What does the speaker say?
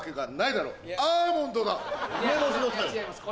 違います